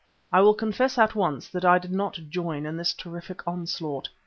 I will confess at once that I did not join in this terrific onslaught.